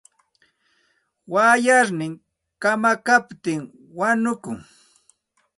Wayarnin kamakaptin wanukun.